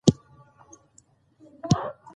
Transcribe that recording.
باران د افغانانو د ګټورتیا یوه برخه ده.